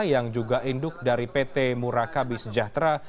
yang juga induk dari pt murakabi sejahtera